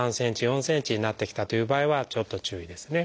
３ｃｍ４ｃｍになってきたという場合はちょっと注意ですね。